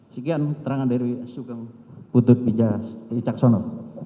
sekian keterangan dari s u k putut bija caksono